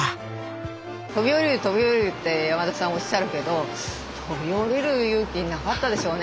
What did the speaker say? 飛び降りる飛び降りるって山田さんおっしゃるけど飛び降りる勇気なかったでしょうね